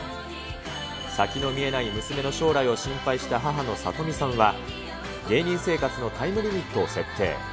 先の見えない娘の将来を心配した母の智美さんは、芸人生活のタイムリミットを設定。